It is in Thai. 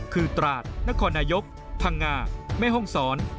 คือตราดนครนายกพังงาแม่ห้องศร